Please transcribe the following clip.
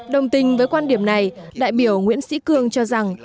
đồng tình với quan điểm này đại biểu nguyễn sĩ cương cho rằng